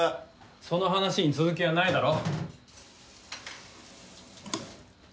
その話に続きはないだろ？